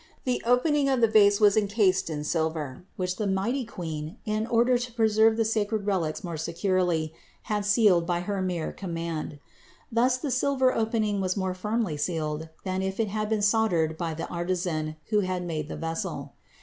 The opening of the vase was encased in silver, which the mighty Queen, in order to preserve the sacred relics more securely, had sealed by her mere command. Thus the silver opening was more firmly sealed than if it had been soldered by the artisan, who had made the vessel.